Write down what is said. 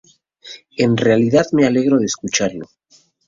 En realidad me alegró escucharlo.